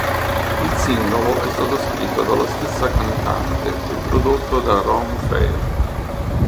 Il singolo è stato scritto dalla stessa cantante e prodotto da Ron Fair.